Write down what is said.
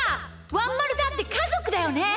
ワンまるだってかぞくだよね！